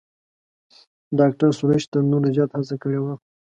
ډاکتر سروش تر نورو زیات هڅه کړې ده.